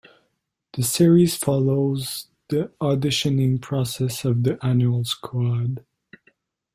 The series follows the auditioning process of the annual squad.